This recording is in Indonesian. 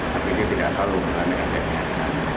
tapi dia tidak tahu mengandalkan yang dia inginkan